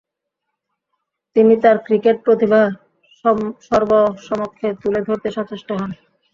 তিনি তার ক্রিকেট প্রতিভা সর্বসমক্ষে তুলে ধরতে সচেষ্ট হন।